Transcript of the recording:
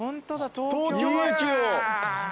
東京駅を。